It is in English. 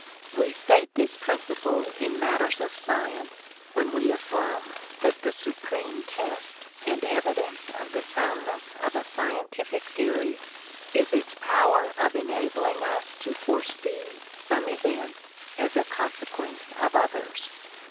We state this principle in matters of science when we affirm that the supreme test and evidence of the soundness of a scientific theory is its power of enabling us to foresee some events as a consequence of others.